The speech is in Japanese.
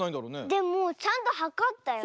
でもちゃんとはかったよ。